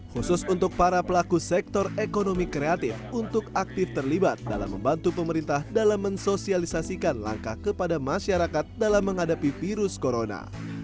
khusus untuk para pelaku sektor ekonomi kreatif untuk aktif terlibat dalam membantu pemerintah dalam mensosialisasikan langkah kepada masyarakat dalam menghadapi virus corona